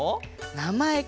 なまえか。